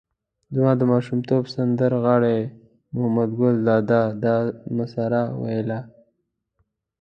زما د ماشومتوب سندر غاړي محمد ګل دادا دا مسره ویله.